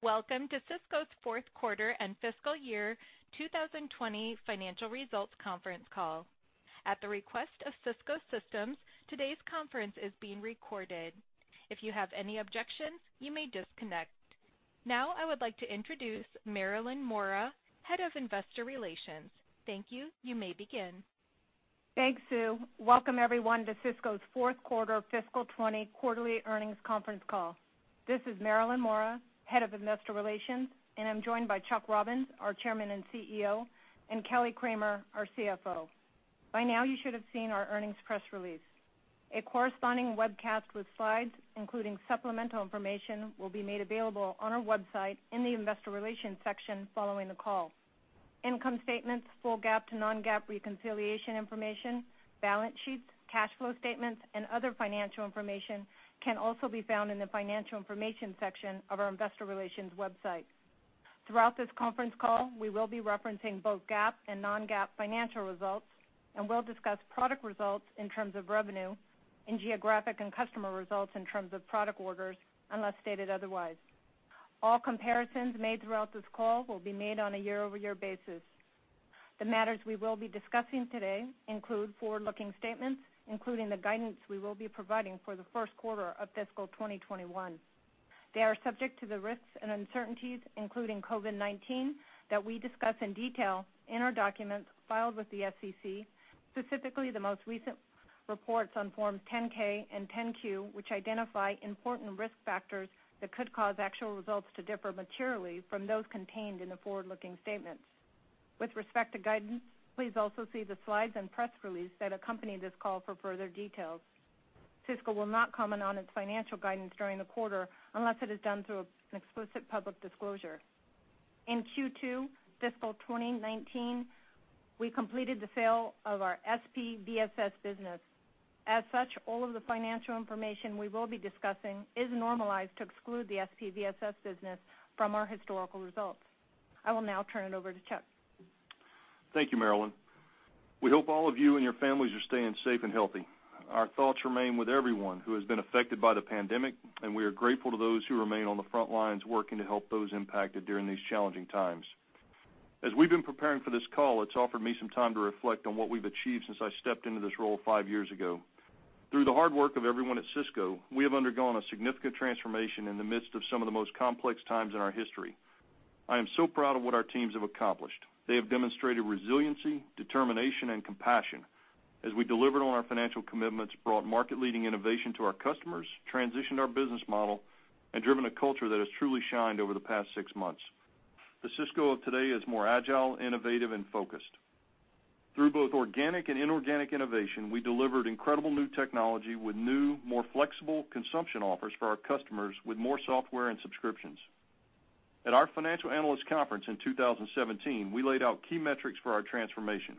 Welcome to Cisco's fourth quarter and fiscal year 2020 financial results conference call. At the request of Cisco Systems, today's conference is being recorded. If you have any objections, you may disconnect. Now I would like to introduce Marilyn Mora, Head of Investor Relations. Thank you. You may begin. Thanks, Sue. Welcome, everyone, to Cisco's fourth quarter fiscal 2020 quarterly earnings conference call. This is Marilyn Mora, Head of Investor Relations, and I'm joined by Chuck Robbins, our Chairman and CEO, and Kelly Kramer, our CFO. By now, you should have seen our earnings press release. A corresponding webcast with slides, including supplemental information, will be made available on our website in the investor relations section following the call. Income statements, full GAAP to non-GAAP reconciliation information, balance sheets, cash flow statements, and other financial information can also be found in the financial information section of our investor relations website. Throughout this conference call, we will be referencing both GAAP and non-GAAP financial results, and we'll discuss product results in terms of revenue and geographic and customer results in terms of product orders, unless stated otherwise. All comparisons made throughout this call will be made on a year-over-year basis. The matters we will be discussing today include forward-looking statements, including the guidance we will be providing for the first quarter of fiscal 2021. They are subject to the risks and uncertainties, including COVID-19, that we discuss in detail in our documents filed with the SEC, specifically the most recent reports on forms 10-K and 10-Q, which identify important risk factors that could cause actual results to differ materially from those contained in the forward-looking statements. With respect to guidance, please also see the slides and press release that accompany this call for further details. Cisco will not comment on its financial guidance during the quarter unless it is done through an explicit public disclosure. In Q2 fiscal 2019, we completed the sale of our SPVSS business. As such, all of the financial information we will be discussing is normalized to exclude the SPVSS business from our historical results. I will now turn it over to Chuck. Thank you, Marilyn. We hope all of you and your families are staying safe and healthy. Our thoughts remain with everyone who has been affected by the pandemic, and we are grateful to those who remain on the front lines working to help those impacted during these challenging times. As we've been preparing for this call, it's offered me some time to reflect on what we've achieved since I stepped into this role five years ago. Through the hard work of everyone at Cisco, we have undergone a significant transformation in the midst of some of the most complex times in our history. I am so proud of what our teams have accomplished. They have demonstrated resiliency, determination, and compassion as we delivered on our financial commitments, brought market-leading innovation to our customers, transitioned our business model, and driven a culture that has truly shined over the past six months. The Cisco of today is more agile, innovative, and focused. Through both organic and inorganic innovation, we delivered incredible new technology with new, more flexible consumption offers for our customers with more software and subscriptions. At our financial analyst conference in 2017, we laid out key metrics for our transformation.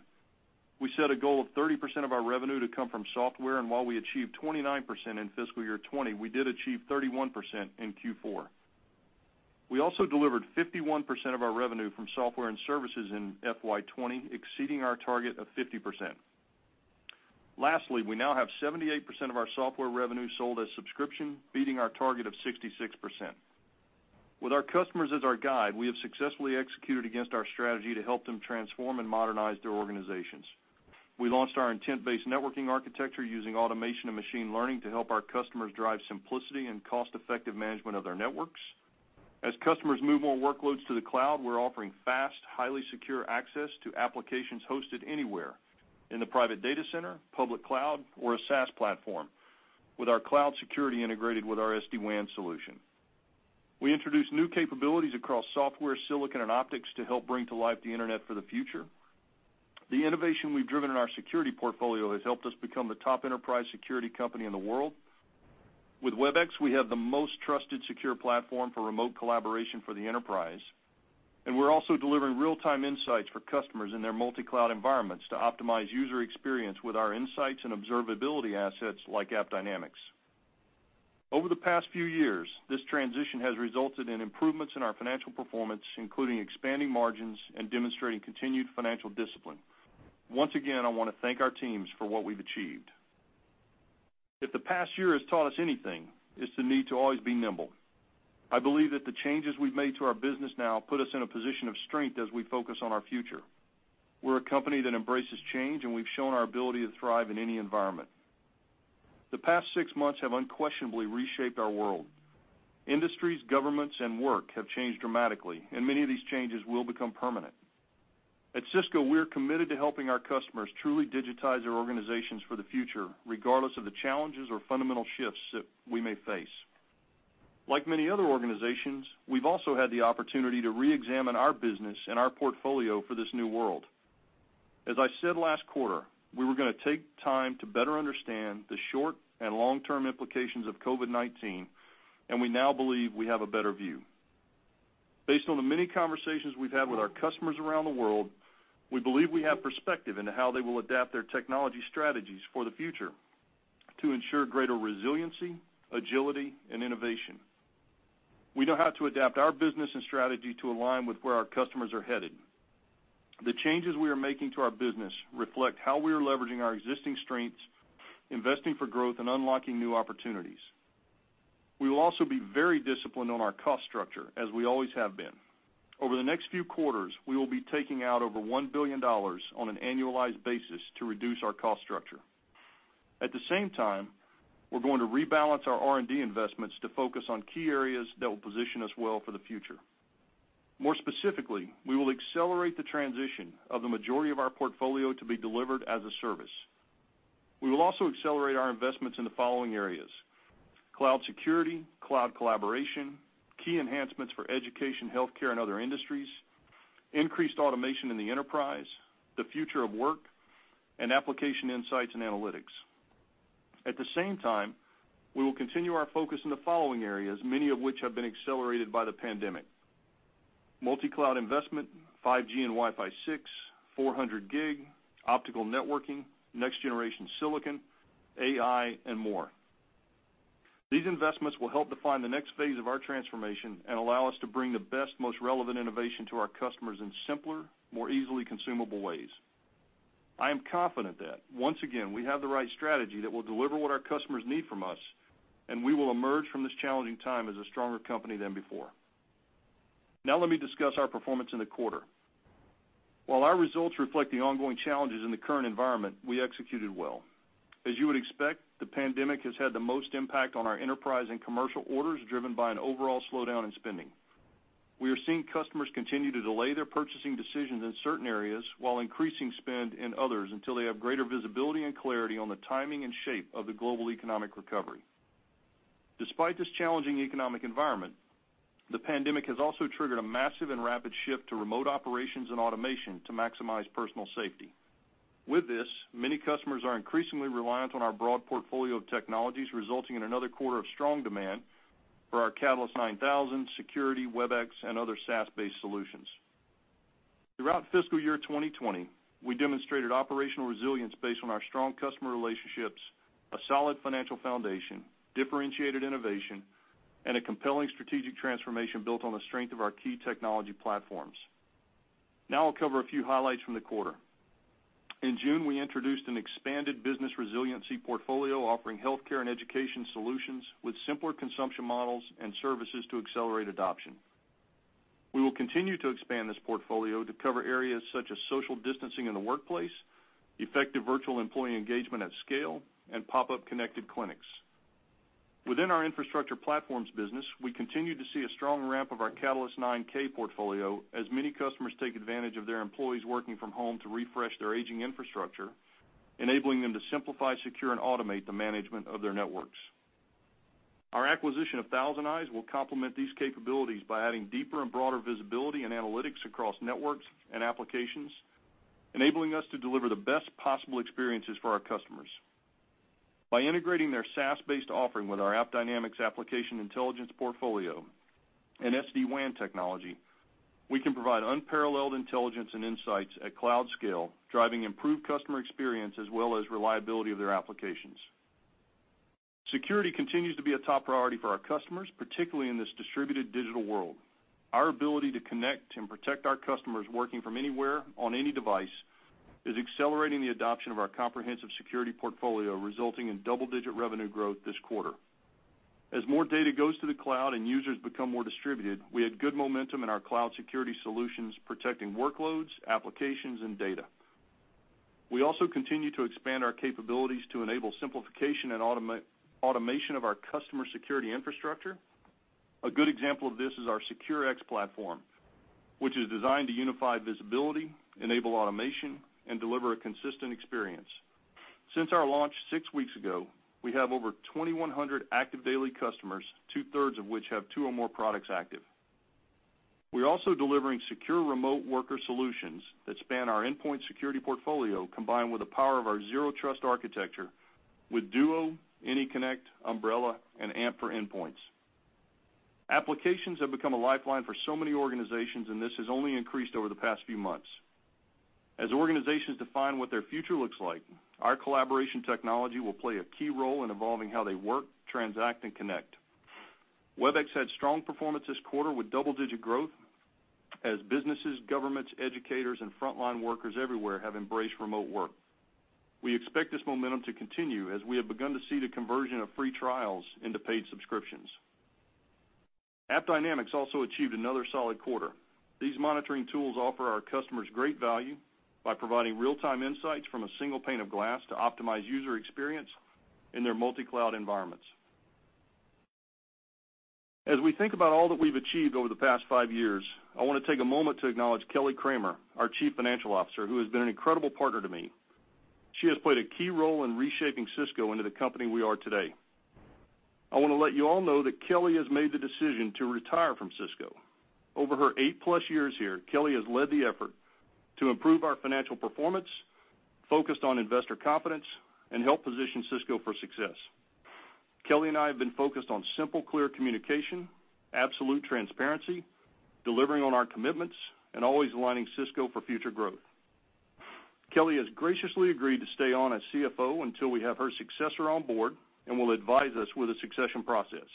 We set a goal of 30% of our revenue to come from software, and while we achieved 29% in fiscal year 2020, we did achieve 31% in Q4. We also delivered 51% of our revenue from software and services in FY 2020, exceeding our target of 50%. Lastly, we now have 78% of our software revenue sold as subscription, beating our target of 66%. With our customers as our guide, we have successfully executed against our strategy to help them transform and modernize their organizations. We launched our intent-based networking architecture using automation and machine learning to help our customers drive simplicity and cost-effective management of their networks. As customers move more workloads to the cloud, we're offering fast, highly secure access to applications hosted anywhere in the private data center, public cloud, or a SaaS platform with our cloud security integrated with our SD-WAN solution. We introduced new capabilities across software, silicon, and optics to help bring to life the internet for the future. The innovation we've driven in our security portfolio has helped us become the top enterprise security company in the world. With Webex, we have the most trusted, secure platform for remote collaboration for the enterprise, and we're also delivering real-time insights for customers in their multi-cloud environments to optimize user experience with our insights and observability assets like AppDynamics. Over the past few years, this transition has resulted in improvements in our financial performance, including expanding margins and demonstrating continued financial discipline. Once again, I want to thank our teams for what we've achieved. If the past year has taught us anything, it's the need to always be nimble. I believe that the changes we've made to our business now put us in a position of strength as we focus on our future. We're a company that embraces change, and we've shown our ability to thrive in any environment. The past six months have unquestionably reshaped our world. Industries, governments, and work have changed dramatically, and many of these changes will become permanent. At Cisco, we're committed to helping our customers truly digitize their organizations for the future, regardless of the challenges or fundamental shifts that we may face. Like many other organizations, we've also had the opportunity to reexamine our business and our portfolio for this new world. As I said last quarter, we were going to take time to better understand the short and long-term implications of COVID-19. We now believe we have a better view. Based on the many conversations we've had with our customers around the world, we believe we have perspective into how they will adapt their technology strategies for the future to ensure greater resiliency, agility, and innovation. We know how to adapt our business and strategy to align with where our customers are headed. The changes we are making to our business reflect how we are leveraging our existing strengths, investing for growth, and unlocking new opportunities. We will also be very disciplined on our cost structure, as we always have been. Over the next few quarters, we will be taking out over $1 billion on an annualized basis to reduce our cost structure. At the same time, we're going to rebalance our R&D investments to focus on key areas that will position us well for the future. More specifically, we will accelerate the transition of the majority of our portfolio to be delivered as a service. We will also accelerate our investments in the following areas: cloud security, cloud collaboration, key enhancements for education, healthcare, and other industries, increased automation in the enterprise, the future of work, and application insights and analytics. At the same time, we will continue our focus in the following areas, many of which have been accelerated by the pandemic: multi-cloud investment, 5G and Wi-Fi 6, 400G, Optical Networking, Next-Generation Silicon, AI, and more. These investments will help define the next phase of our transformation and allow us to bring the best, most relevant innovation to our customers in simpler, more easily consumable ways. I am confident that, once again, we have the right strategy that will deliver what our customers need from us, and we will emerge from this challenging time as a stronger company than before. Let me discuss our performance in the quarter. While our results reflect the ongoing challenges in the current environment, we executed well. As you would expect, the pandemic has had the most impact on our enterprise and commercial orders, driven by an overall slowdown in spending. We are seeing customers continue to delay their purchasing decisions in certain areas while increasing spend in others until they have greater visibility and clarity on the timing and shape of the global economic recovery. Despite this challenging economic environment, the pandemic has also triggered a massive and rapid shift to remote operations and automation to maximize personal safety. With this, many customers are increasingly reliant on our broad portfolio of technologies, resulting in another quarter of strong demand for our Catalyst 9000, Security, Webex, and other SaaS-based solutions. Throughout fiscal year 2020, we demonstrated operational resilience based on our strong customer relationships, a solid financial foundation, differentiated innovation, and a compelling strategic transformation built on the strength of our key technology platforms. Now I'll cover a few highlights from the quarter. In June, we introduced an expanded business resiliency portfolio offering healthcare and education solutions with simpler consumption models and services to accelerate adoption. We will continue to expand this portfolio to cover areas such as social distancing in the workplace, effective virtual employee engagement at scale, and pop-up connected clinics. Within our infrastructure platforms business, we continue to see a strong ramp of our Catalyst 9000 portfolio as many customers take advantage of their employees working from home to refresh their aging infrastructure, enabling them to simplify, secure, and automate the management of their networks. Our acquisition of ThousandEyes will complement these capabilities by adding deeper and broader visibility and analytics across networks and applications, enabling us to deliver the best possible experiences for our customers. By integrating their SaaS-based offering with our AppDynamics application intelligence portfolio and SD-WAN technology, we can provide unparalleled intelligence and insights at cloud scale, driving improved customer experience as well as reliability of their applications. Security continues to be a top priority for our customers, particularly in this distributed digital world. Our ability to connect and protect our customers working from anywhere on any device is accelerating the adoption of our comprehensive security portfolio, resulting in double-digit revenue growth this quarter. As more data goes to the cloud and users become more distributed, we had good momentum in our cloud security solutions, protecting workloads, applications, and data. We also continue to expand our capabilities to enable simplification and automation of our customer security infrastructure. A good example of this is our SecureX platform, which is designed to unify visibility, enable automation, and deliver a consistent experience. Since our launch six weeks ago, we have over 2,100 active daily customers, two-thirds of which have two or more products active. We're also delivering secure remote worker solutions that span our endpoint security portfolio, combined with the power of our zero trust architecture with Duo, AnyConnect, Umbrella, and AMP for Endpoints. Applications have become a lifeline for so many organizations. This has only increased over the past few months. As organizations define what their future looks like, our collaboration technology will play a key role in evolving how they work, transact, and connect. Webex had strong performance this quarter with double-digit growth as businesses, governments, educators, and frontline workers everywhere have embraced remote work. We expect this momentum to continue as we have begun to see the conversion of free trials into paid subscriptions. AppDynamics also achieved another solid quarter. These monitoring tools offer our customers great value by providing real-time insights from a single pane of glass to optimize user experience in their multi-cloud environments. As we think about all that we've achieved over the past five years, I want to take a moment to acknowledge Kelly Kramer, our Chief Financial Officer, who has been an incredible partner to me. She has played a key role in reshaping Cisco into the company we are today. I want to let you all know that Kelly has made the decision to retire from Cisco. Over her eight-plus years here, Kelly has led the effort to improve our financial performance, focused on investor confidence, and helped position Cisco for success. Kelly and I have been focused on simple, clear communication, absolute transparency, delivering on our commitments, and always aligning Cisco for future growth. Kelly has graciously agreed to stay on as CFO until we have her successor on board and will advise us with the succession process.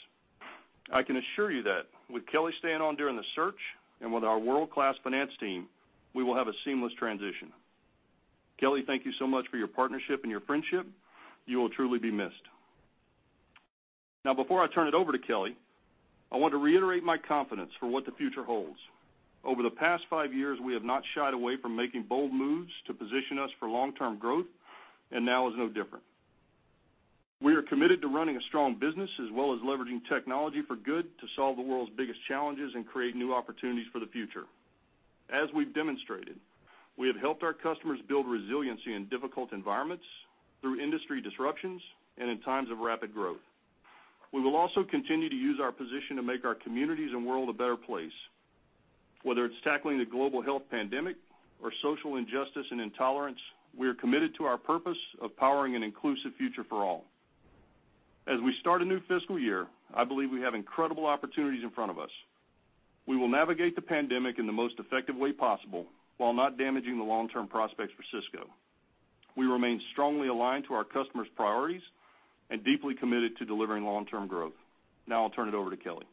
I can assure you that with Kelly staying on during the search and with our world-class finance team, we will have a seamless transition. Kelly, thank you so much for your partnership and your friendship. You will truly be missed. Before I turn it over to Kelly, I want to reiterate my confidence for what the future holds. Over the past five years, we have not shied away from making bold moves to position us for long-term growth, and now is no different. We are committed to running a strong business as well as leveraging technology for good to solve the world's biggest challenges and create new opportunities for the future. As we've demonstrated, we have helped our customers build resiliency in difficult environments, through industry disruptions, and in times of rapid growth. We will also continue to use our position to make our communities and world a better place. Whether it's tackling the global health pandemic or social injustice and intolerance, we are committed to our purpose of powering an inclusive future for all. As we start a new fiscal year, I believe we have incredible opportunities in front of us. We will navigate the pandemic in the most effective way possible while not damaging the long-term prospects for Cisco. We remain strongly aligned to our customers' priorities and deeply committed to delivering long-term growth. Now I'll turn it over to Kelly.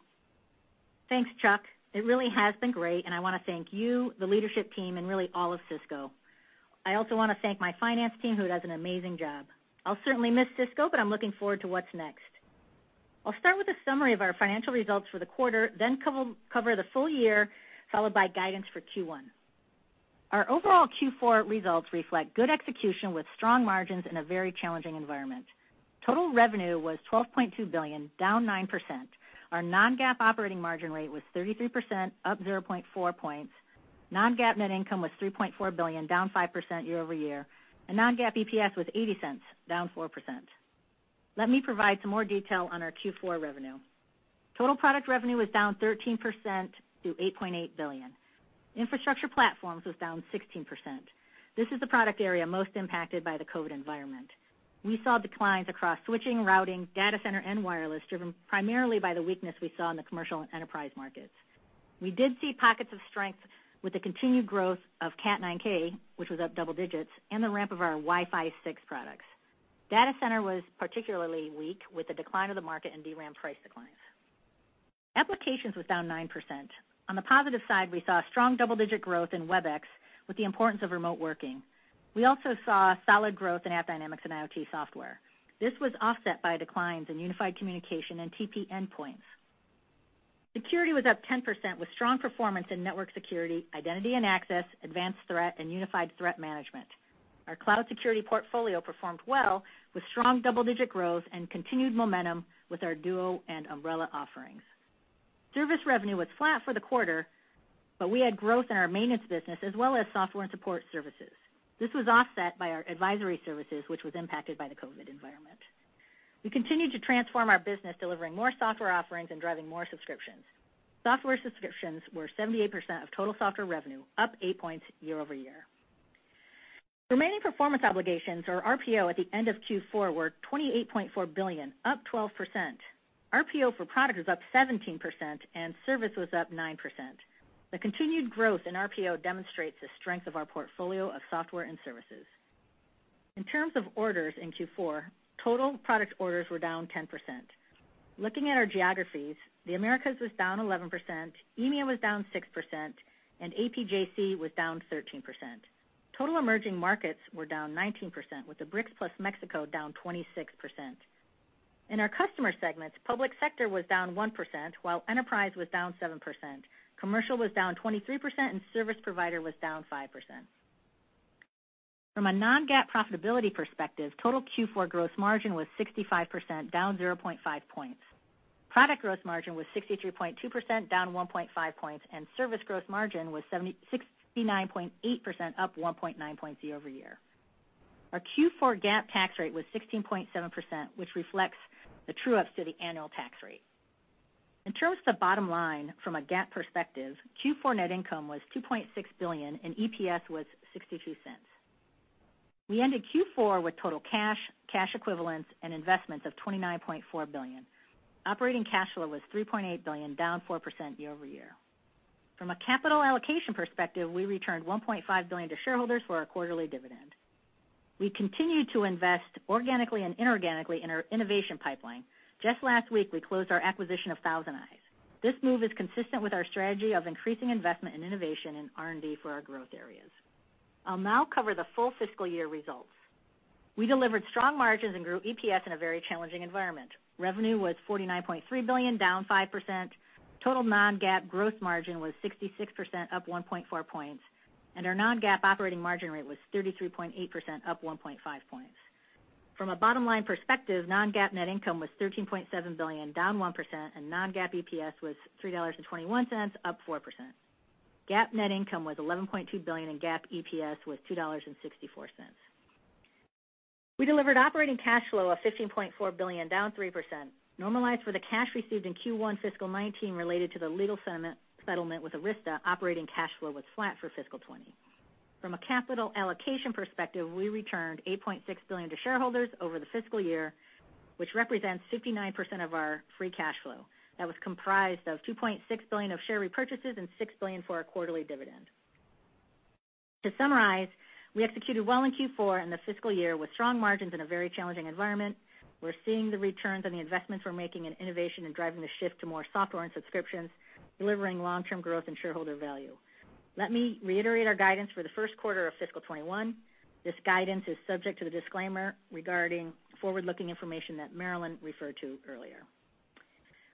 Thanks, Chuck. It really has been great, and I want to thank you, the leadership team, and really all of Cisco. I also want to thank my finance team, who does an amazing job. I'll certainly miss Cisco, but I'm looking forward to what's next. I'll start with a summary of our financial results for the quarter, then cover the full year, followed by guidance for Q1. Our overall Q4 results reflect good execution with strong margins in a very challenging environment. Total revenue was $12.2 billion, down 9%. Our non-GAAP operating margin rate was 33%, up 0.4 points. Non-GAAP net income was $3.4 billion, down 5% year-over-year. Non-GAAP EPS was $0.80, down 4%. Let me provide some more detail on our Q4 revenue. Total product revenue was down 13% to $8.8 billion. Infrastructure platforms was down 16%. This is the product area most impacted by the COVID environment. We saw declines across switching, routing, data center, and wireless, driven primarily by the weakness we saw in the commercial and enterprise markets. We did see pockets of strength with the continued growth of Cat 9k, which was up double digits, and the ramp of our Wi-Fi 6 products. Data center was particularly weak with the decline of the market and DRAM price declines. Applications was down 9%. On the positive side, we saw strong double-digit growth in Webex with the importance of remote working. We also saw solid growth in AppDynamics and IoT software. This was offset by declines in unified communication and TP endpoints. Security was up 10% with strong performance in network security, identity and access, advanced threat, and unified threat management. Our cloud security portfolio performed well with strong double-digit growth and continued momentum with our Duo and Umbrella offerings. Service revenue was flat for the quarter, but we had growth in our maintenance business as well as software and support services. This was offset by our advisory services, which was impacted by the COVID environment. We continued to transform our business, delivering more software offerings and driving more subscriptions. Software subscriptions were 78% of total software revenue, up eight points year-over-year. Remaining performance obligations or RPO at the end of Q4 were $28.4 billion, up 12%. RPO for product was up 17% and service was up 9%. The continued growth in RPO demonstrates the strength of our portfolio of software and services. In terms of orders in Q4, total product orders were down 10%. Looking at our geographies, the Americas was down 11%, EMEA was down 6%, and APJC was down 13%. Total emerging markets were down 19%, with the BRICS plus Mexico down 26%. In our customer segments, public sector was down 1%, while enterprise was down 7%. Commercial was down 23% and service provider was down 5%. From a non-GAAP profitability perspective, total Q4 gross margin was 65%, down 0.5 points. Product gross margin was 63.2%, down 1.5 points, and service gross margin was 69.8%, up 1.9 points year-over-year. Our Q4 GAAP tax rate was 16.7%, which reflects the true-ups to the annual tax rate. In terms of the bottom line from a GAAP perspective, Q4 net income was $2.6 billion and EPS was $0.62. We ended Q4 with total cash equivalents, and investments of $29.4 billion. Operating cash flow was $3.8 billion, down 4% year-over-year. From a capital allocation perspective, we returned $1.5 billion to shareholders for our quarterly dividend. We continued to invest organically and inorganically in our innovation pipeline. Just last week, we closed our acquisition of ThousandEyes. This move is consistent with our strategy of increasing investment in innovation and R&D for our growth areas. I'll now cover the full fiscal year results. We delivered strong margins and grew EPS in a very challenging environment. Revenue was $49.3 billion, down 5%. Total non-GAAP gross margin was 66%, up 1.4 points, and our non-GAAP operating margin rate was 33.8%, up 1.5 points. From a bottom-line perspective, non-GAAP net income was $13.7 billion, down 1%, and non-GAAP EPS was $3.21, up 4%. GAAP net income was $11.2 billion and GAAP EPS was $2.64. We delivered operating cash flow of $15.4 billion, down 3%. Normalized for the cash received in Q1 fiscal 2019 related to the legal settlement with Arista, operating cash flow was flat for fiscal 2020. From a capital allocation perspective, we returned $8.6 billion to shareholders over the fiscal year which represents 59% of our free cash flow. That was comprised of $2.6 billion of share repurchases and $6 billion for our quarterly dividend. To summarize, we executed well in Q4 and the fiscal year with strong margins in a very challenging environment. We're seeing the returns on the investments we're making in innovation and driving the shift to more software and subscriptions, delivering long-term growth and shareholder value. Let me reiterate our guidance for the first quarter of fiscal 2021. This guidance is subject to the disclaimer regarding forward-looking information that Marilyn referred to earlier.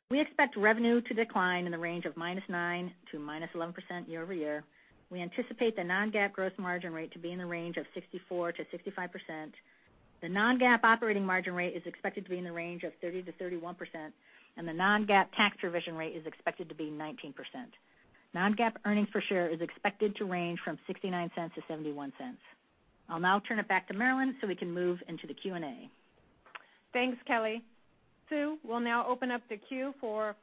We expect revenue to decline in the range of -9% to -11% year-over-year. We anticipate the non-GAAP gross margin rate to be in the range of 64%-65%. The non-GAAP operating margin rate is expected to be in the range of 30%-31%, and the non-GAAP tax provision rate is expected to be 19%. Non-GAAP earnings per share is expected to range from $0.69-$0.71. I'll now turn it back to Marilyn so we can move into the Q and A. Thanks, Kelly. Sue, we'll now open up the queue for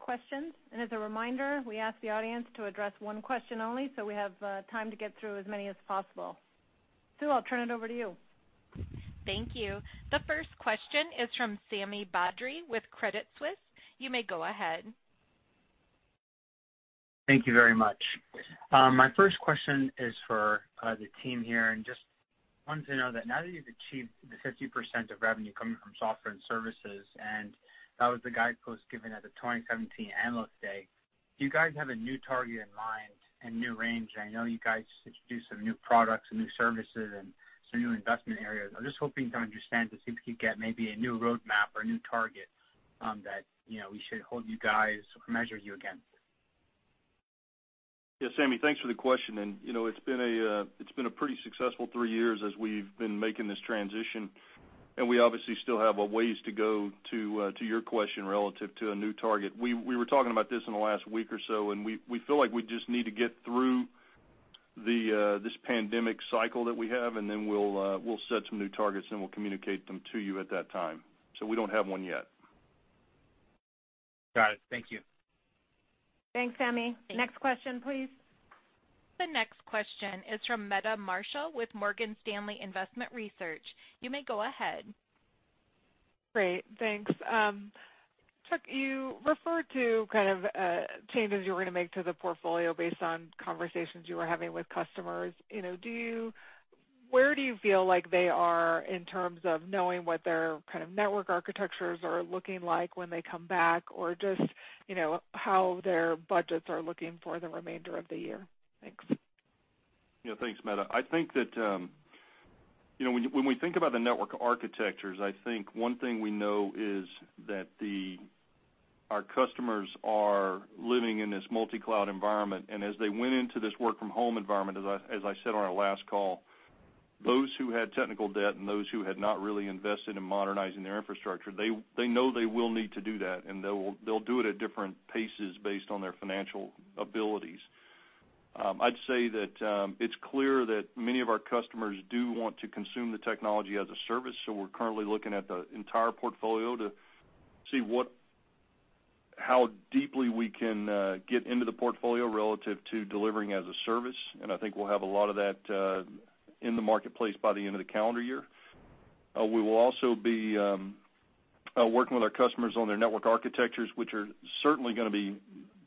questions. as a reminder, we ask the audience to address one question only, so we have time to get through as many as possible. Sue, I'll turn it over to you. Thank you. The first question is from Sami Badri with Credit Suisse. You may go ahead. Thank you very much. My first question is for the team here, and just wanting to know that now that you've achieved the 50% of revenue coming from software and services, and that was the guidepost given at the 2017 Analyst Day. Do you guys have a new target in mind and new range? I know you guys introduced some new products and new services and some new investment areas. I'm just hoping to understand to see if we could get maybe a new roadmap or a new target that we should hold you guys or measure you against. Yes, Sami, thanks for the question, and it's been a pretty successful three years as we've been making this transition, and we obviously still have a ways to go to your question relative to a new target. We were talking about this in the last week or so, and we feel like we just need to get through this pandemic cycle that we have, and then we'll set some new targets, and we'll communicate them to you at that time. We don't have one yet. Got it. Thank you. Thanks, Sami. Next question, please. The next question is from Meta Marshall with Morgan Stanley Investment Research. You may go ahead. Great. Thanks. Chuck, you referred to kind of changes you were going to make to the portfolio based on conversations you were having with customers. Where do you feel like they are in terms of knowing what their kind of network architectures are looking like when they come back or just how their budgets are looking for the remainder of the year? Thanks. Yeah. Thanks, Meta. I think that when we think about the network architectures, I think one thing we know is that our customers are living in this multi-cloud environment, and as they went into this work-from-home environment, as I said on our last call, those who had technical debt and those who had not really invested in modernizing their infrastructure, they know they will need to do that, and they'll do it at different paces based on their financial abilities. I'd say that it's clear that many of our customers do want to consume the technology as a service, so we're currently looking at the entire portfolio to see how deeply we can get into the portfolio relative to delivering as a service. I think we'll have a lot of that in the marketplace by the end of the calendar year. We will also be working with our customers on their network architectures, which are certainly going to be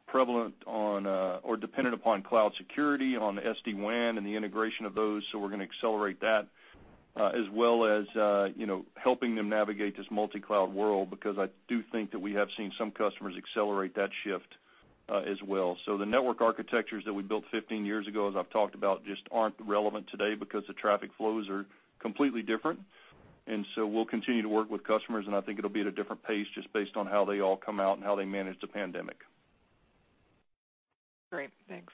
prevalent on or dependent upon cloud security, on the SD-WAN, and the integration of those. We're going to accelerate that, as well as helping them navigate this multi-cloud world because I do think that we have seen some customers accelerate that shift as well. The network architectures that we built 15 years ago, as I've talked about, just aren't relevant today because the traffic flows are completely different. We'll continue to work with customers, and I think it'll be at a different pace just based on how they all come out and how they manage the pandemic. Great. Thanks.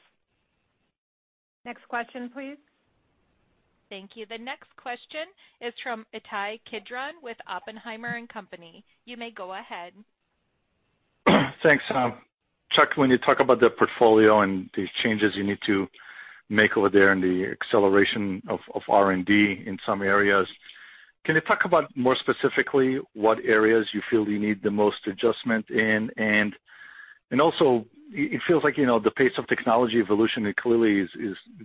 Next question, please. Thank you. The next question is from Ittai Kidron with Oppenheimer & Co. You may go ahead. Thanks. Chuck, when you talk about the portfolio and the changes you need to make over there and the acceleration of R&D in some areas, can you talk about more specifically what areas you feel you need the most adjustment in? also, it feels like the pace of technology evolution clearly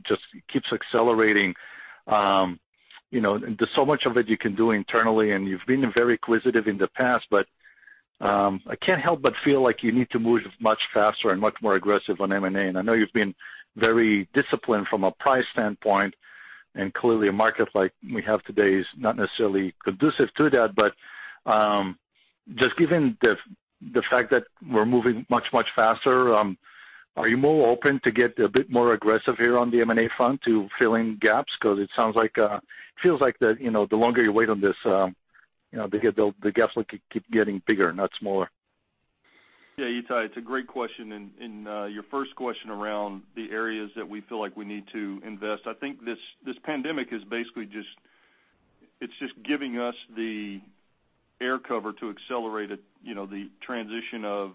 just keeps accelerating. There's so much of it you can do internally, and you've been very acquisitive in the past, but I can't help but feel like you need to move much faster and much more aggressive on M&A. I know you've been very disciplined from a price standpoint, and clearly, a market like we have today is not necessarily conducive to that. just given the fact that we're moving much, much faster, are you more open to get a bit more aggressive here on the M&A front to fill in gaps? Because it feels like that the longer you wait on this, the gaps will keep getting bigger, not smaller. Yeah, Ittai, it's a great question, and your first question around the areas that we feel like we need to invest. I think this pandemic is basically just giving us the air cover to accelerate the transition of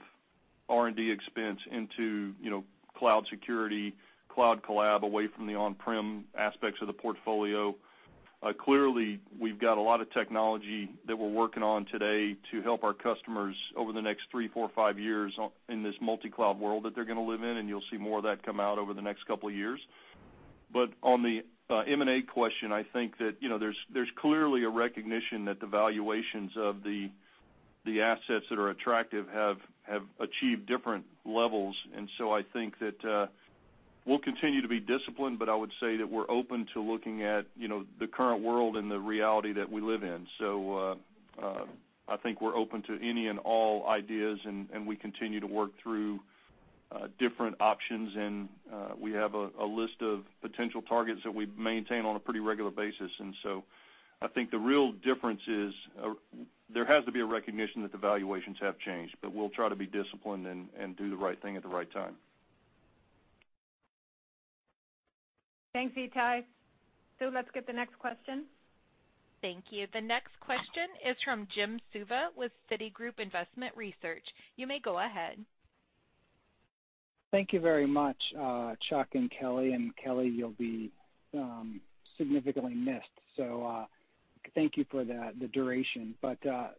R&D expense into cloud security, cloud collab, away from the on-prem aspects of the portfolio. Clearly, we've got a lot of technology that we're working on today to help our customers over the next three, four, five years in this multi-cloud world that they're going to live in, and you'll see more of that come out over the next couple of years. On the M&A question, I think that there's clearly a recognition that the valuations of the assets that are attractive have achieved different levels. I think that we'll continue to be disciplined, but I would say that we're open to looking at the current world and the reality that we live in. I think we're open to any and all ideas, and we continue to work through different options, and we have a list of potential targets that we maintain on a pretty regular basis. I think the real difference is there has to be a recognition that the valuations have changed, but we'll try to be disciplined and do the right thing at the right time. Thanks, Ittai. Let's get the next question. Thank you. The next question is from Jim Suva with Citigroup Investment Research. You may go ahead. Thank you very much, Chuck and Kelly. Kelly, you'll be significantly missed, so thank you for the duration.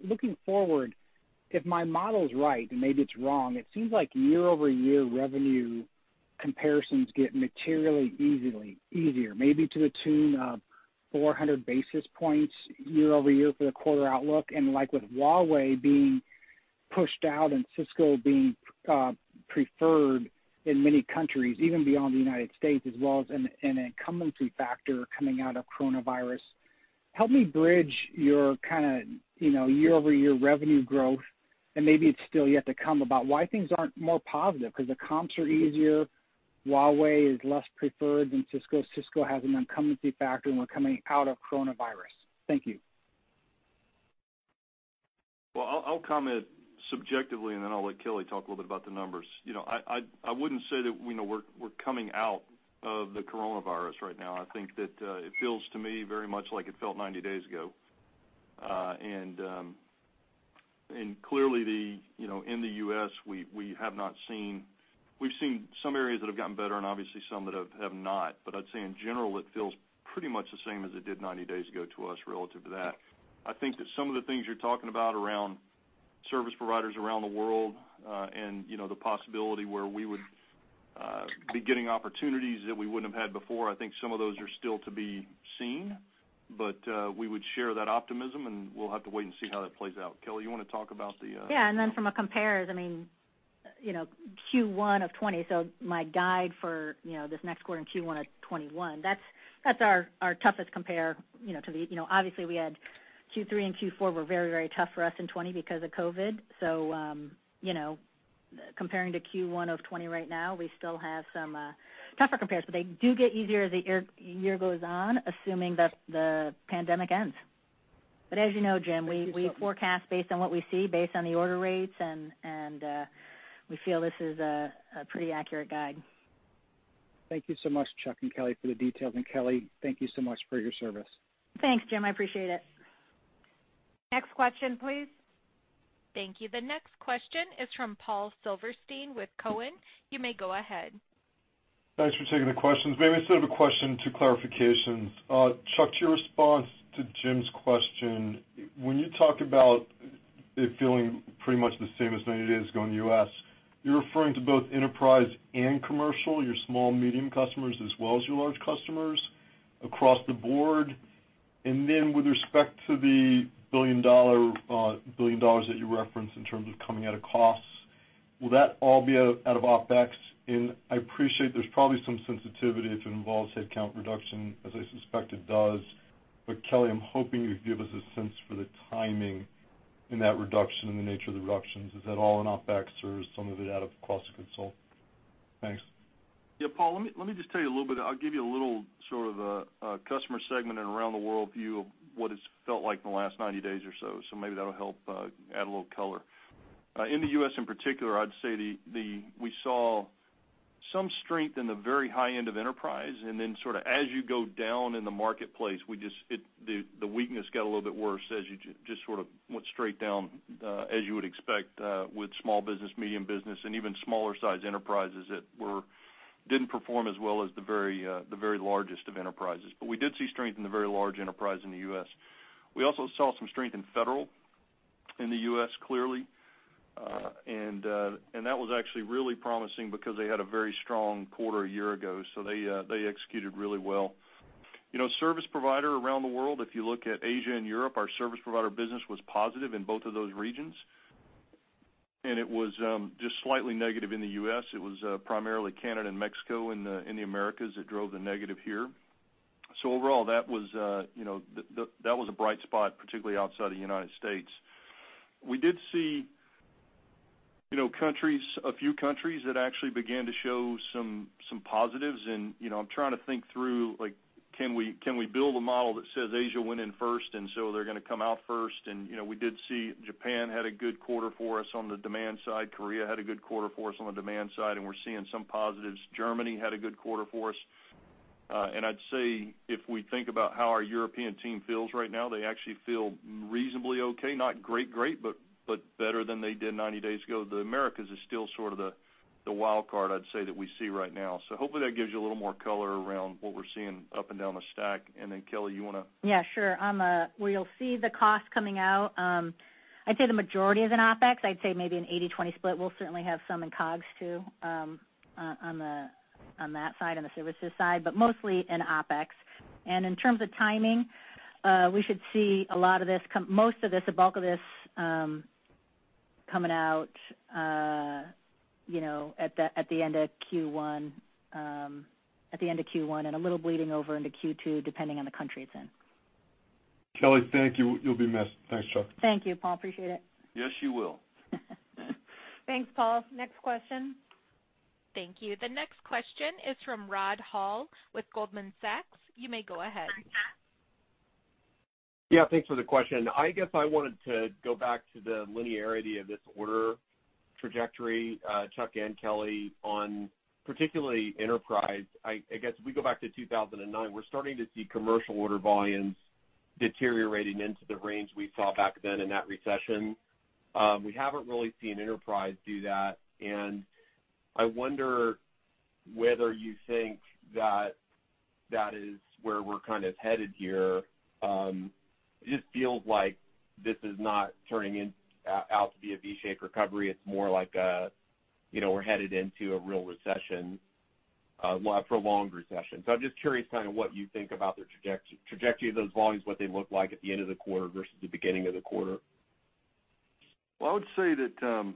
Looking forward, if my model is right, and maybe it's wrong, it seems like year-over-year revenue comparisons get materially easier, maybe to the tune of 400 basis points year-over-year for the quarter outlook. Like with Huawei being pushed out and Cisco being preferred in many countries, even beyond the United States, as well as an incumbency factor coming out of coronavirus. Help me bridge your year-over-year revenue growth, and maybe it's still yet to come, about why things aren't more positive, because the comps are easier, Huawei is less preferred than Cisco has an incumbency factor, and we're coming out of coronavirus. Thank you. Well, I'll comment subjectively, and then I'll let Kelly talk a little bit about the numbers. I wouldn't say that we're coming out of the coronavirus right now. I think that it feels to me very much like it felt 90 days ago. Clearly, in the U.S., we've seen some areas that have gotten better and obviously some that have not. I'd say in general, it feels pretty much the same as it did 90 days ago to us relative to that. I think that some of the things you're talking about around service providers around the world, and the possibility where we would be getting opportunities that we wouldn't have had before, I think some of those are still to be seen. We would share that optimism, and we'll have to wait and see how that plays out. Kelly, you want to talk about the- Yeah. From a compares, Q1 of 2020, so my guide for this next quarter in Q1 of 2021, that's our toughest compare. Obviously, we had Q3 and Q4 were very tough for us in 2020 because of COVID. Comparing to Q1 of 2020 right now, we still have some tougher compares, but they do get easier as the year goes on, assuming that the pandemic ends. As you know, Jim, we forecast based on what we see, based on the order rates, and we feel this is a pretty accurate guide. Thank you so much, Chuck and Kelly, for the details. Kelly, thank you so much for your service. Thanks, Jim. I appreciate it. Next question, please. Thank you. The next question is from Paul Silverstein with Cowen. You may go ahead. Thanks for taking the questions. Maybe instead of a question, two clarifications. Chuck, to your response to Jim's question, when you talk about it feeling pretty much the same as 90 days ago in the U.S., you're referring to both enterprise and commercial, your small/medium customers as well as your large customers across the board. with respect to the $1 billion that you referenced in terms of coming out of costs, will that all be out of OpEx? I appreciate there's probably some sensitivity if it involves headcount reduction, as I suspect it does. Kelly, I'm hoping you'd give us a sense for the timing in that reduction and the nature of the reductions. Is that all in OpEx or is some of it out of cost of goods sold? Thanks. Yeah, Paul, let me just tell you a little bit. I'll give you a little sort of a customer segment and around the world view of what it's felt like in the last 90 days or so. Maybe that'll help add a little color. In the U.S. in particular, I'd say we saw some strength in the very high end of enterprise, and then as you go down in the marketplace, the weakness got a little bit worse as you just sort of went straight down as you would expect with small business, medium business, and even smaller size enterprises that didn't perform as well as the very largest of enterprises. We did see strength in the very large enterprise in the U.S. We also saw some strength in federal in the U.S., clearly. That was actually really promising because they had a very strong quarter a year ago, so they executed really well. Service provider around the world, if you look at Asia and Europe, our service provider business was positive in both of those regions. It was just slightly negative in the U.S. It was primarily Canada and Mexico in the Americas that drove the negative here. Overall, that was a bright spot, particularly outside the United States. We did see a few countries that actually began to show some positives. I'm trying to think through, can we build a model that says Asia went in first, and so they're going to come out first? We did see Japan had a good quarter for us on the demand side. Korea had a good quarter for us on the demand side, and we're seeing some positives. Germany had a good quarter for us. I'd say if we think about how our European team feels right now, they actually feel reasonably okay. Not great, but better than they did 90 days ago. The Americas is still sort of the wild card, I'd say, that we see right now. Hopefully that gives you a little more color around what we're seeing up and down the stack. Kelly, you want to- Yeah, sure. Where you'll see the cost coming out, I'd say the majority is in OpEx. I'd say maybe an 80/20 split. We'll certainly have some in COGS too, on that side, on the services side, but mostly in OpEx. In terms of timing, we should see most of this, the bulk of this, coming out at the end of Q1 and a little bleeding over into Q2, depending on the country it's in. Kelly, thank you. You'll be missed. Thanks, Chuck. Thank you, Paul. Appreciate it. Yes, you will. Thanks, Paul. Next question. Thank you. The next question is from Rod Hall with Goldman Sachs. You may go ahead. Yeah, thanks for the question. I guess I wanted to go back to the linearity of this order trajectory, Chuck and Kelly, on particularly enterprise. I guess if we go back to 2009, we're starting to see commercial order volumes deteriorating into the range we saw back then in that recession. We haven't really seen enterprise do that, and I wonder whether you think that is where we're kind of headed here. It just feels like this is not turning out to be a V-shaped recovery. It's more like we're headed into a real recession, well, a prolonged recession. I'm just curious what you think about the trajectory of those volumes, what they look like at the end of the quarter versus the beginning of the quarter. Well, I would say that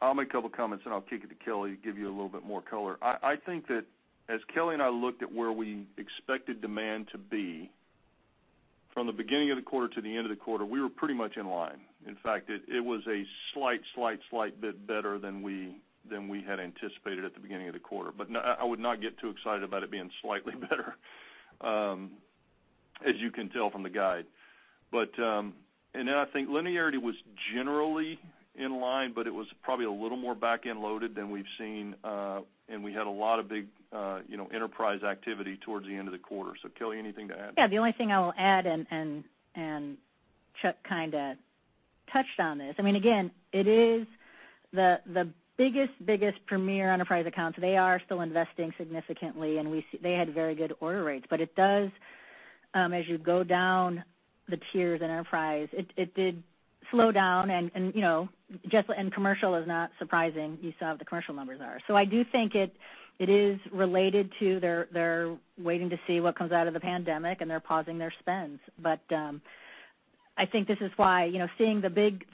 I'll make a couple of comments, and I'll kick it to Kelly to give you a little bit more color. I think that as Kelly and I looked at where we expected demand to be, from the beginning of the quarter to the end of the quarter, we were pretty much in line. In fact, it was a slight bit better than we had anticipated at the beginning of the quarter. I would not get too excited about it being slightly better, as you can tell from the guide. I think linearity was generally in line, but it was probably a little more back-end loaded than we've seen. We had a lot of big enterprise activity towards the end of the quarter. Kelly, anything to add? Yeah, the only thing I will add, and Chuck kind of touched on this. Again, it is the biggest premier enterprise accounts. They are still investing significantly, and they had very good order rates. It does, as you go down the tiers in enterprise, it did slow down, and commercial is not surprising. You saw what the commercial numbers are. I do think it is related to their waiting to see what comes out of the pandemic, and they're pausing their spends. I think this is why seeing the big,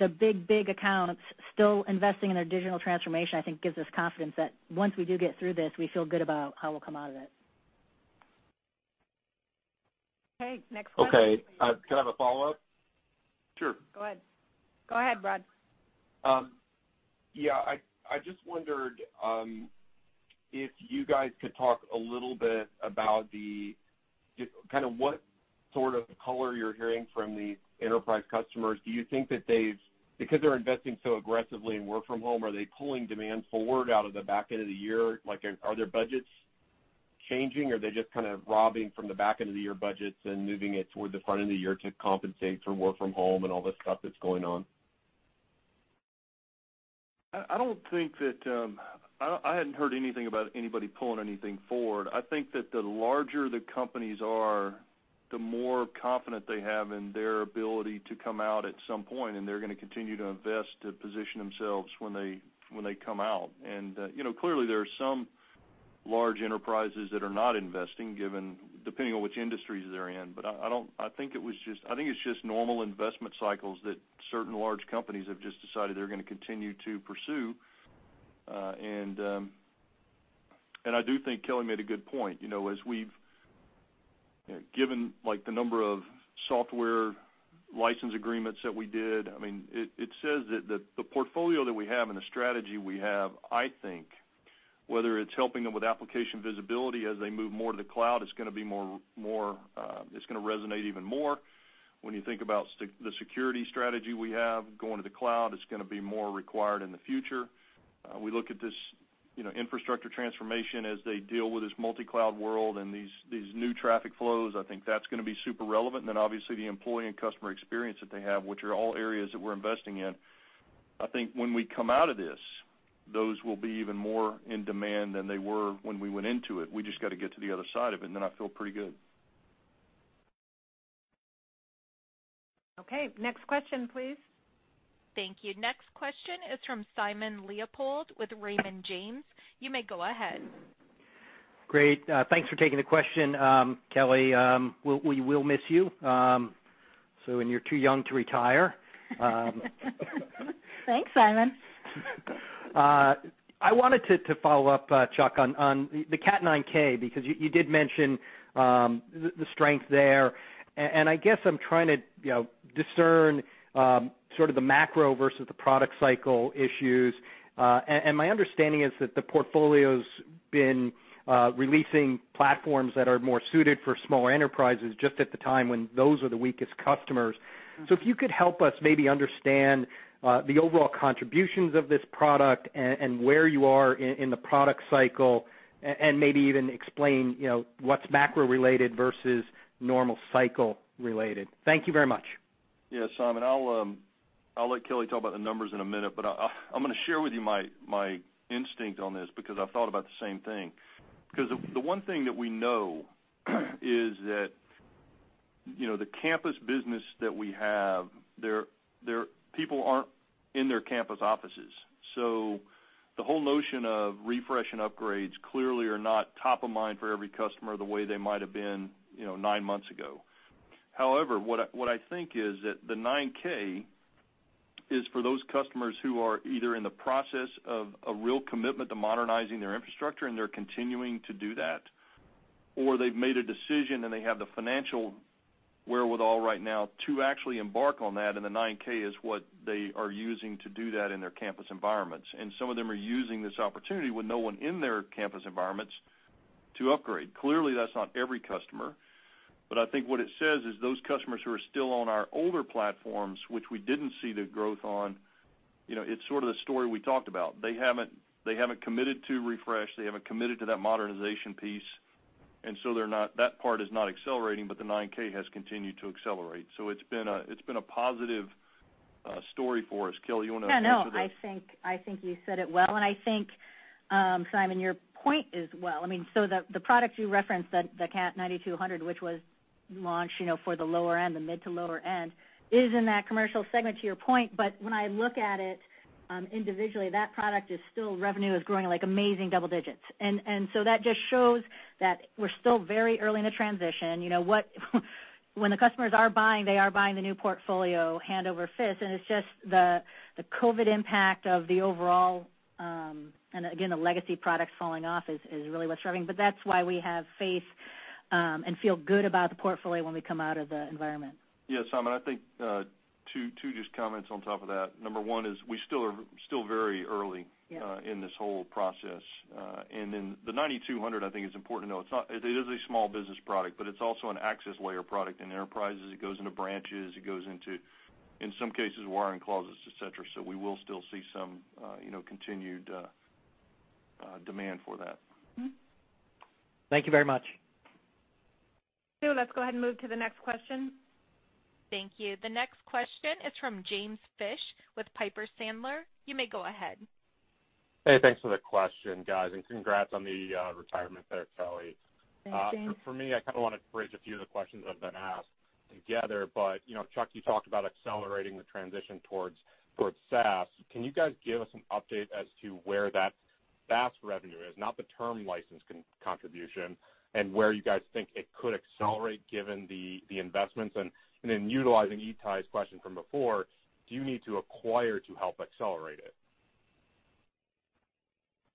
big accounts still investing in their digital transformation, I think gives us confidence that once we do get through this, we feel good about how we'll come out of it. Okay, next question. Okay. Can I have a follow-up? Sure. Go ahead. Go ahead, Rod. I just wondered if you guys could talk a little bit about what sort of color you're hearing from the enterprise customers. Do you think that because they're investing so aggressively in work from home, are they pulling demand forward out of the back end of the year? Are their budgets changing, or are they just kind of robbing from the back end of the year budgets and moving it toward the front end of the year to compensate for work from home and all this stuff that's going on? I hadn't heard anything about anybody pulling anything forward. I think that the larger the companies are, the more confidence they have in their ability to come out at some point, and they're going to continue to invest to position themselves when they come out. Clearly, there are some large enterprises that are not investing, depending on which industries they're in. I think it's just normal investment cycles that certain large companies have just decided they're going to continue to pursue. I do think Kelly made a good point. Given the number of software license agreements that we did, it says that the portfolio that we have and the strategy we have, I think, whether it's helping them with application visibility as they move more to the cloud, it's going to resonate even more. When you think about the security strategy we have going to the cloud, it's going to be more required in the future. We look at this infrastructure transformation as they deal with this multi-cloud world and these new traffic flows. I think that's going to be super relevant. Obviously the employee and customer experience that they have, which are all areas that we're investing in. I think when we come out of this, those will be even more in demand than they were when we went into it. We just got to get to the other side of it, and then I feel pretty good. Okay. Next question, please. Thank you. Next question is from Simon Leopold with Raymond James. You may go ahead. Great. Thanks for taking the question. Kelly, we will miss you, and you're too young to retire. Thanks, Simon. I wanted to follow up, Chuck, on the Cat 9K, because you did mention the strength there. I guess I'm trying to discern sort of the macro versus the product cycle issues. My understanding is that the portfolio's been releasing platforms that are more suited for smaller enterprises just at the time when those are the weakest customers. If you could help us maybe understand the overall contributions of this product and where you are in the product cycle, and maybe even explain what's macro-related versus normal cycle-related. Thank you very much. Yeah, Simon. I'll let Kelly talk about the numbers in a minute, but I'm going to share with you my instinct on this because I've thought about the same thing. The one thing that we know is that the campus business that we have, people aren't in their campus offices. the whole notion of refresh and upgrades clearly are not top of mind for every customer the way they might've been nine months ago. However, what I think is that the 9K is for those customers who are either in the process of a real commitment to modernizing their infrastructure, and they're continuing to do that, or they've made a decision and they have the financial wherewithal right now to actually embark on that, and the 9K is what they are using to do that in their campus environments. Some of them are using this opportunity with no one in their campus environments to upgrade. Clearly, that's not every customer. I think what it says is those customers who are still on our older platforms, which we didn't see the growth on, it's sort of the story we talked about. They haven't committed to refresh. They haven't committed to that modernization piece. That part is not accelerating, but the 9K has continued to accelerate. It's been a positive story for us. Kelly, you want to- I think you said it well. I think, Simon, your point as well. The product you referenced, the Catalyst 9200, which was launched for the mid to lower end, is in that commercial segment to your point. When I look at it individually, that product is still revenue is growing like amazing double digits. That just shows that we're still very early in the transition. When the customers are buying, they are buying the new portfolio hand over fist, and it's just the COVID-19 impact of the overall, and again, the legacy products falling off is really what's driving. That's why we have faith and feel good about the portfolio when we come out of the environment. Yeah, Simon, I think two just comments on top of that. Number one is we still are still very early. Yeah In this whole process. The Cat 9200, I think is important to know, it is a small business product, but it's also an access layer product in enterprises. It goes into branches. It goes into, in some cases, wiring closets, et cetera. We will still see some continued demand for that. Thank you very much. Let's go ahead and move to the next question. Thank you. The next question is from James Fish with Piper Sandler. You may go ahead. Hey, thanks for the question, guys, and congrats on the retirement there, Kelly. Thanks, James. For me, I kind of want to bridge a few of the questions that have been asked together. Chuck, you talked about accelerating the transition towards SaaS. Can you guys give us an update as to where that SaaS revenue is, not the term license contribution, and where you guys think it could accelerate given the investments? Then utilizing Ittai's question from before, do you need to acquire to help accelerate it?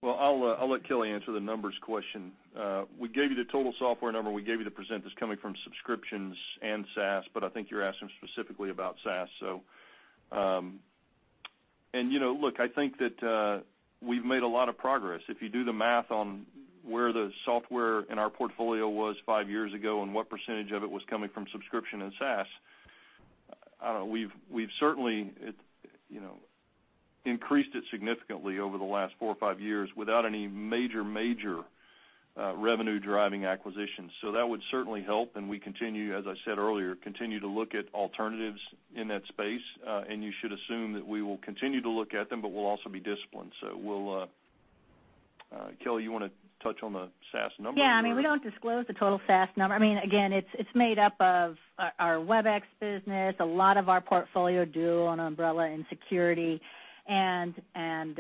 Well, I'll let Kelly answer the numbers question. We gave you the total software number, and we gave you the percentage that's coming from subscriptions and SaaS, but I think you're asking specifically about SaaS. Look, I think that we've made a lot of progress. If you do the math on where the software in our portfolio was five years ago and what percentage of it was coming from subscription and SaaS, we've certainly increased it significantly over the last four or five years without any major revenue-driving acquisitions. That would certainly help, and we, as I said earlier, continue to look at alternatives in that space. You should assume that we will continue to look at them, but we'll also be disciplined. Kelly, you want to touch on the SaaS number? Yeah, we don't disclose the total SaaS number. Again, it's made up of our Webex business, a lot of our portfolio, Duo and Umbrella and security. Again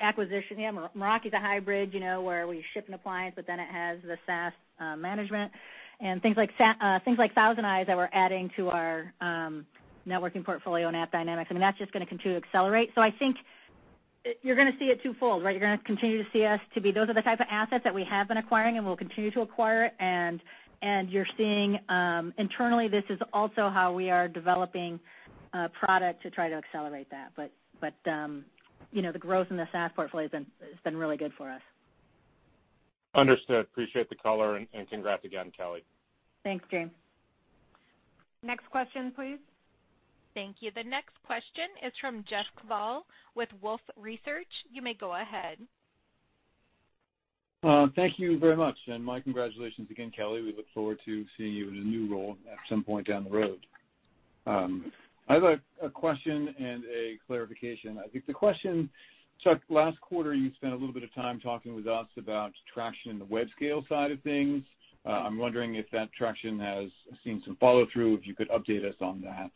acquisition. Yeah, Meraki's a hybrid, where we ship an appliance, but then it has the SaaS management. Things like ThousandEyes that we're adding to our networking portfolio and AppDynamics, that's just going to continue to accelerate. I think you're going to see it twofold, right? You're going to continue to see us to be those are the type of assets that we have been acquiring and will continue to acquire, and you're seeing internally, this is also how we are developing product to try to accelerate that. The growth in the SaaS portfolio has been really good for us. Understood. Appreciate the color, and congrats again, Kelly. Thanks, James. Next question, please. Thank you. The next question is from Jeff Kvaal with Wolfe Research. You may go ahead. Thank you very much, and my congratulations again, Kelly. We look forward to seeing you in a new role at some point down the road. I have a question and a clarification. I think the question, Chuck, last quarter, you spent a little bit of time talking with us about traction in the web scale side of things. I'm wondering if that traction has seen some follow-through, if you could update us on that.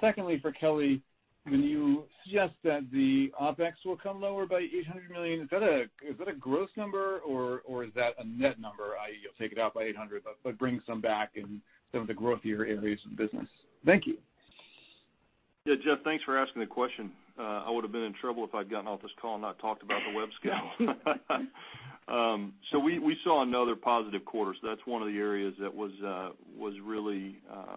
secondly, for Kelly, when you suggest that the OpEx will come lower by $800 million, is that a gross number or is that a net number, i.e., you'll take it out by 800 but bring some back in some of the growth year areas of the business? Thank you. Yeah, Jeff, thanks for asking the question. I would've been in trouble if I'd gotten off this call and not talked about the web scale. We saw another positive quarter. That's one of the areas that was really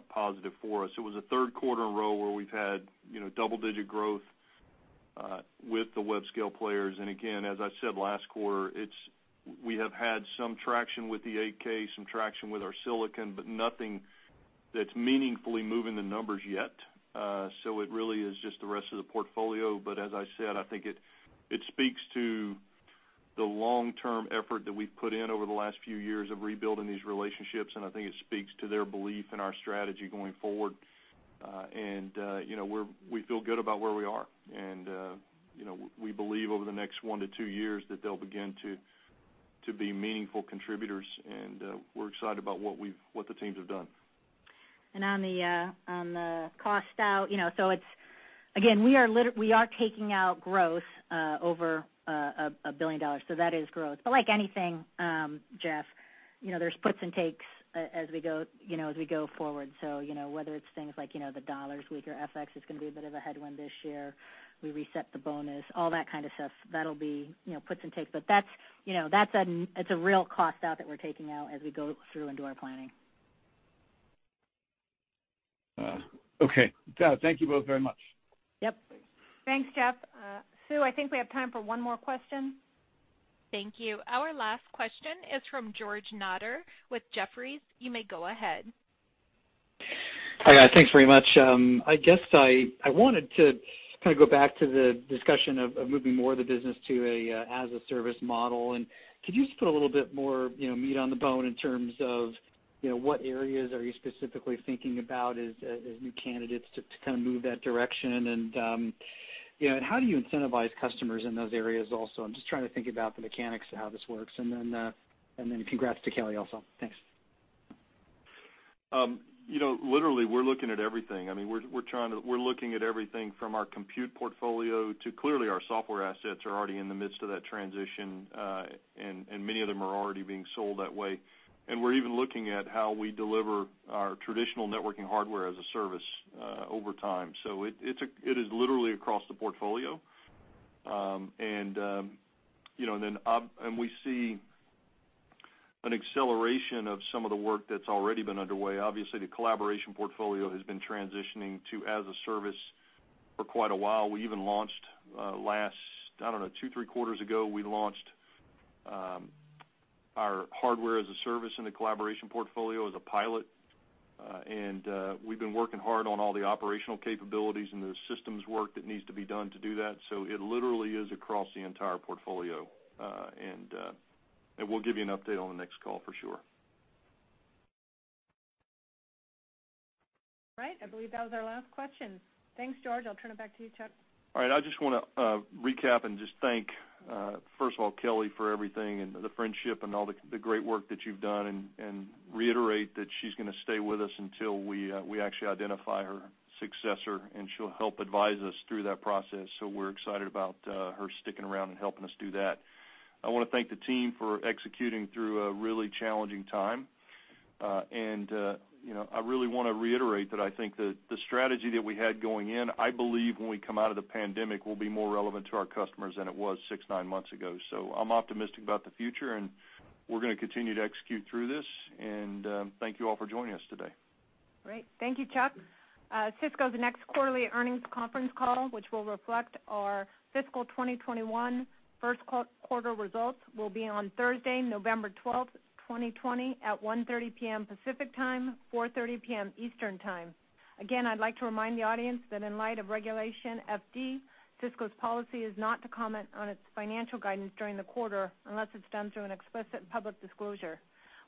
positive for us. It was the third quarter in a row where we've had double-digit growth with the web scale players. Again, as I said last quarter, we have had some traction with the 8K, some traction with our silicon, but nothing that's meaningfully moving the numbers yet. It really is just the rest of the portfolio. As I said, I think it speaks to the long-term effort that we've put in over the last few years of rebuilding these relationships, and I think it speaks to their belief in our strategy going forward. We feel good about where we are. We believe over the next one to two years that they'll begin to be meaningful contributors, and we're excited about what the teams have done. On the cost out, so again, we are taking out growth over $1 billion. that is growth. like anything, Jeff, there's puts and takes as we go forward. whether it's things like, the dollar's weaker, FX is going to be a bit of a headwind this year. We reset the bonus, all that kind of stuff. That'll be puts and takes. it's a real cost out that we're taking out as we go through and do our planning. Okay. Got it. Thank you both very much. Yep. Thanks, Jeff. Sue, I think we have time for one more question. Thank you. Our last question is from George Notter with Jefferies. You may go ahead. Hi, guys. Thanks very much. I guess I wanted to kind of go back to the discussion of moving more of the business to a "as a service" model. Could you just put a little bit more meat on the bone in terms of what areas are you specifically thinking about as new candidates to kind of move that direction? How do you incentivize customers in those areas also? I'm just trying to think about the mechanics of how this works. Congrats to Kelly also. Thanks. Literally, we're looking at everything. We're looking at everything from our compute portfolio to clearly our software assets are already in the midst of that transition, and many of them are already being sold that way. We're even looking at how we deliver our traditional networking hardware as a service over time. It is literally across the portfolio. We see an acceleration of some of the work that's already been underway. Obviously, the collaboration portfolio has been transitioning to as a service for quite a while. We even launched last, I don't know, two, three quarters ago, we launched our hardware as a service in the collaboration portfolio as a pilot. We've been working hard on all the operational capabilities and the systems work that needs to be done to do that. It literally is across the entire portfolio. We'll give you an update on the next call for sure. All right. I believe that was our last question. Thanks, George. I'll turn it back to you, Chuck. All right. I just want to recap and just thank, first of all, Kelly, for everything and the friendship and all the great work that you've done and reiterate that she's going to stay with us until we actually identify her successor, and she'll help advise us through that process. We're excited about her sticking around and helping us do that. I want to thank the team for executing through a really challenging time. I really want to reiterate that I think that the strategy that we had going in, I believe when we come out of the pandemic, will be more relevant to our customers than it was six, nine months ago. I'm optimistic about the future, and we're going to continue to execute through this. Thank you all for joining us today. Great. Thank you, Chuck. Cisco's next quarterly earnings conference call, which will reflect our fiscal 2021 first quarter results, will be on Thursday, November 12th, 2020, at 1:30 P.M. Pacific Time, 4:30 P.M. Eastern Time. Again, I'd like to remind the audience that in light of Regulation FD, Cisco's policy is not to comment on its financial guidance during the quarter unless it's done through an explicit public disclosure.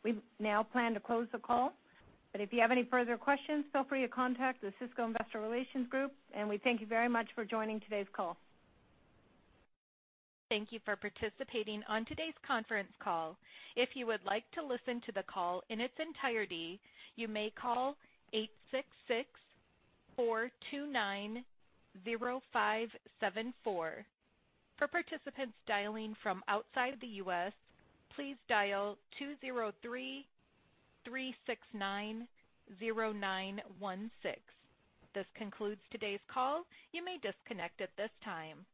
We now plan to close the call, but if you have any further questions, feel free to contact the Cisco investor relations group, and we thank you very much for joining today's call. Thank you for participating on today's conference call. If you would like to listen to the call in its entirety, you may call 866-429-0574. For participants dialing from outside the U.S., please dial 203-369-0916. This concludes today's call. You may disconnect at this time.